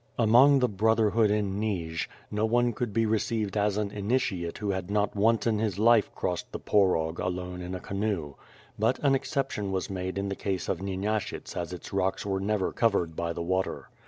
Among the brotherhood in Nij, no one could be received as an initiate who had not once in his life crossed the Porog alone in a canoe. But an exception was made in the case of Nyenashyts as its rocks were never covered by the water.